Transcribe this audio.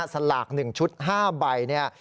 สลาก๑ชุด๕ใบเนี่ย